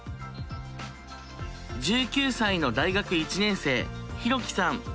１９歳の大学１年生ヒロキさん。